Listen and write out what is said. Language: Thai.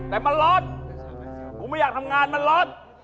แต่มันร้อนกูไม่อยากทำงานมันร้อน